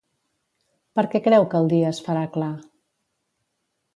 Per què creu que el dia es farà clar?